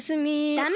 ダメ！